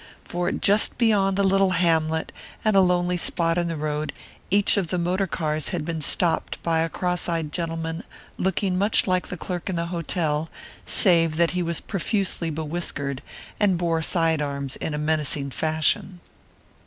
For just beyond the little hamlet at a lonely spot in the road each of the motor cars had been stopped by a cross eyed gentleman looking much like the clerk in the hotel, save that he was profusely bewhiskered and bore side arms in a menacing fashion.